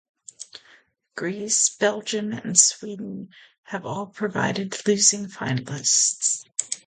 Greece, Belgium and Sweden have all provided losing finalists.